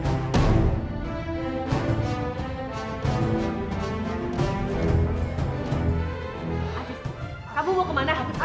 kamu mau kemana